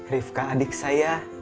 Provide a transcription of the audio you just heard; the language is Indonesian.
rivka adik saya